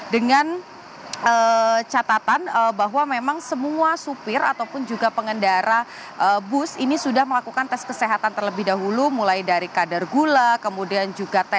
dengan catatan bahwa memang semua supir ataupun juga pengendalian